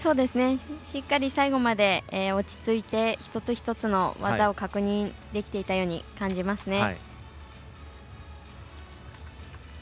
しっかり最後まで落ち着いて一つ一つの技を確認できていたように感じますね。